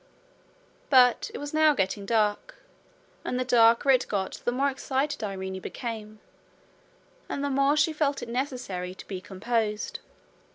But it was now getting dark, and the darker it got the more excited Irene became, and the more she felt it necessary to be composed.